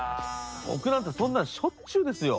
僕なんてそんなんしょっちゅうですよ。